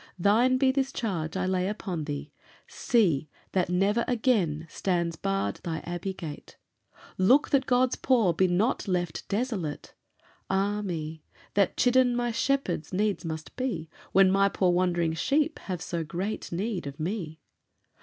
Thine be this charge I lay upon thee: See That never again stands barred thy abbey gate; Look that God's poor be not left desolate; Ah me! that chidden my shepherds needs must be When my poor wandering sheep have so great need of me.